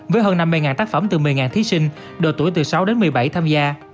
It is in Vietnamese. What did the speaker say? với hơn năm mươi tác phẩm từ một mươi thí sinh độ tuổi từ sáu đến một mươi bảy tham gia